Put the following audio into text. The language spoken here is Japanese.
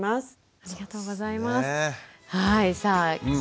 ありがとうございます。